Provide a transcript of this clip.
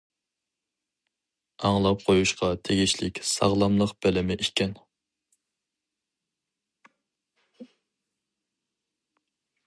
ئاڭلاپ قۇيۇشقا تېگىشلىك ساغلاملىق بىلىمى ئىكەن!